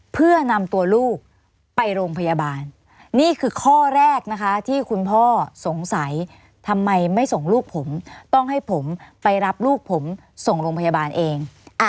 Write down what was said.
เพื่อนำตัวลูกไปโรงพยาบาลนี่คือข้อแรกนะคะที่คุณพ่อสงสัยทำไมไม่ส่งลูกผมต้องให้ผมไปรับลูกผมส่งโรงพยาบาลเอง